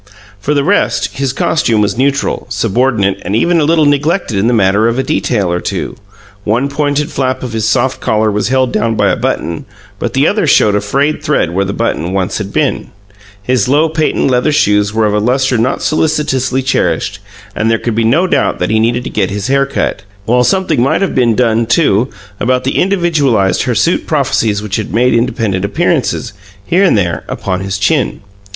For the rest, his costume was neutral, subordinate, and even a little neglected in the matter of a detail or two: one pointed flap of his soft collar was held down by a button, but the other showed a frayed thread where the button once had been; his low patent leather shoes were of a luster not solicitously cherished, and there could be no doubt that he needed to get his hair cut, while something might have been done, too, about the individualized hirsute prophecies which had made independent appearances, here and there, upon his chin.